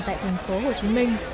tại thành phố hồ chí minh